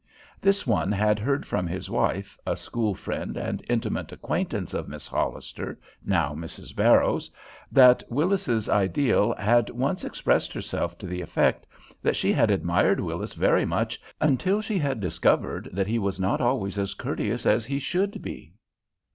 This one had heard from his wife, a school friend and intimate acquaintance of Miss Hollister, now Mrs. Barrows, that Willis's ideal had once expressed herself to the effect that she had admired Willis very much until she had discovered that he was not always as courteous as he should be.